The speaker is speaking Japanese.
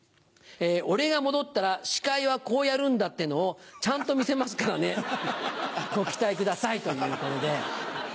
俺が戻ったら司会はこうやるんだっていうのをちゃんと見せますからねご期待ください」ということで。